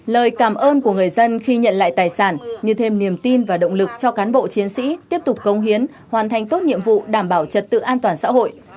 lời cảm ơn của người dân khi nhận lại tài sản như thêm niềm tin và động lực cho cán bộ chiến sĩ tiếp tục công hiến hoàn thành tốt nhiệm vụ đảm bảo trật tự an toàn xã hội